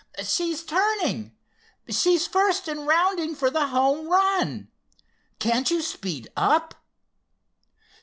"She's turning, she's first in rounding for the home run. Can't you speed up?"